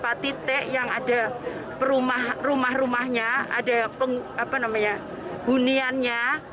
pak tite yang ada rumah rumahnya ada buniannya